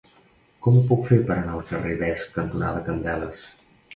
Com ho puc fer per anar al carrer Vesc cantonada Candeles?